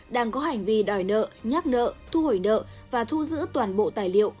đang có hành vi đòi nợ nhắc nợ thu hồi nợ và thu giữ toàn bộ tài liệu